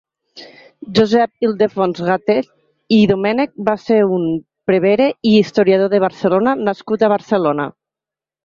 Josep Ildefons Gatell i Domènech va ser un prevere i historiador de Barcelona nascut a Barcelona.